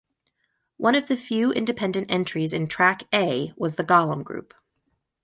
One of the few independent entries in Track A was the Golem Group.